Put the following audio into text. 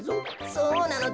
そうなのだ。